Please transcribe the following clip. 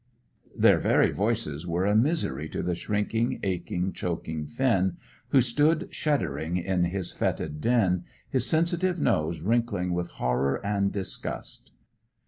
Their very voices were a misery to the shrinking, aching, choking Finn, who stood shuddering in his fetid den, his sensitive nose wrinkling with horror and disgust.